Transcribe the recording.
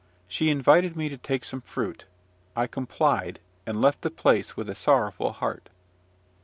She invited me to take some fruit: I complied, and left the place with a sorrowful heart.